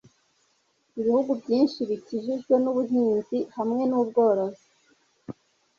Ibihugu byinshi bikijijwe nubuhinzi hamwe n’ubworozi.